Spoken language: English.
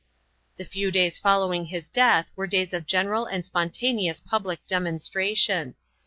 The few days following his death were days of general and spontaneous public demonstration.